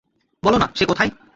বলো না, সে কোথায়!